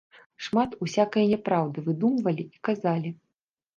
Шмат усякае няпраўды выдумвалі і казалі.